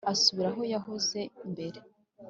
Asubira aho yahoze mbere